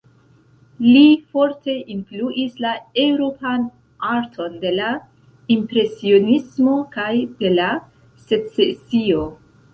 Li forte influis la eŭropan arton de la Impresionismo kaj de la Secesio.